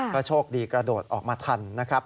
ก็โชคดีกระโดดออกมาทันนะครับ